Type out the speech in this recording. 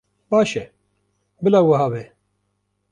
Baş e, bila wiha be.